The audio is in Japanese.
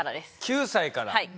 ９歳から。